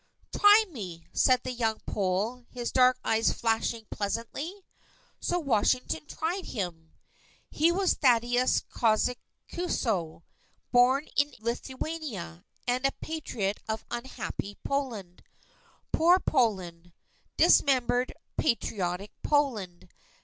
"Try me!" said the young Pole, his dark eyes flashing pleasantly. So Washington tried him. He was Thaddeus Kosciuszko, born in Lithuania, and a Patriot of unhappy Poland. Poor Poland! Dismembered, patriotic Poland!